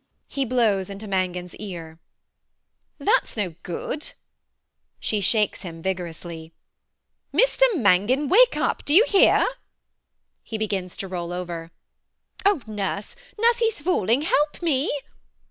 [he blows into Mangan's ear]. MRS HUSHABYE. That's no good [she shakes him vigorously]. Mr Mangan, wake up. Do you hear? [He begins to roll over]. Oh! Nurse, nurse: he's falling: help me.